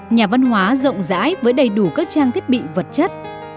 nhà văn hóa rộng rãi với đầy đủ các trang thiết bị vật chất